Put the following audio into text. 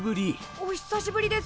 お久しぶりです。